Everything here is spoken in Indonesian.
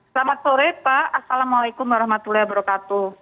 selamat sore pak assalamualaikum warahmatullahi wabarakatuh